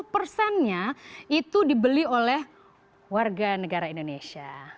lima puluh persennya itu dibeli oleh warga negara indonesia